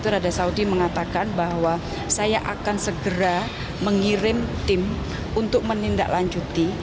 raja saudi mengatakan bahwa saya akan segera mengirim tim untuk menindaklanjuti